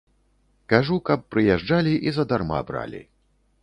Кажу, каб прыязджалі і задарма бралі.